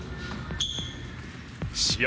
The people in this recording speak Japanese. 試合